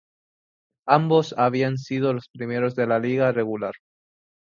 Ambos habían sido los primeros de la liga regular.